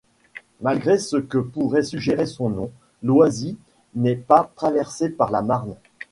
Malgré ce que pourrait suggérer son nom, Loisy n'est pas traversé par la Marne.